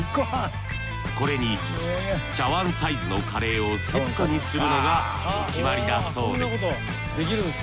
これに茶碗サイズのカレーをセットにするのがお決まりだそうです。